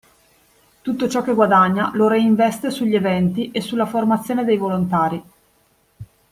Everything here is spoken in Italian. Tutto ciò che guadagna lo reinveste sugli eventi e sulla formazione dei volontari.